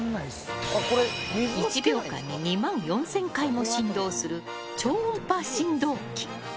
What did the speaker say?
１秒間に２万４０００回も振動する超音波振動機。